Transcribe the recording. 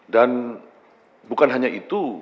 dan bukan hanya itu